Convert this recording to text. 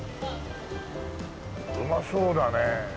うまそうだねえ。